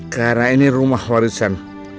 karena ini rumah warisan